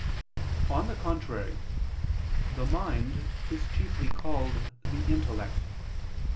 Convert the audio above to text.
On the contrary, The mind is chiefly called the intellect.